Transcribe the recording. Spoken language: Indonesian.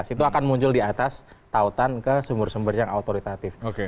itu akan muncul di atas tautan ke sumber sumber yang otoritatif